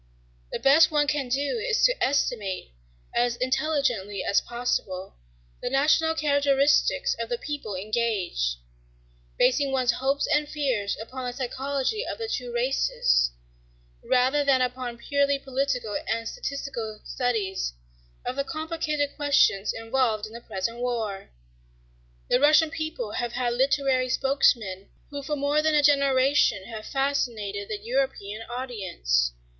The best one can do is to estimate, as intelligently as possible, the national characteristics of the peoples engaged, basing one's hopes and fears upon the psychology of the two races rather than upon purely political and statistical studies of the complicated questions involved in the present war. The Russian people have had literary spokesmen who for more than a generation have fascinated the European audience.